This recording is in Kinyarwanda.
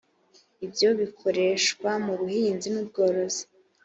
ibyo bikoreshwa mu buhinzi n’ubworozi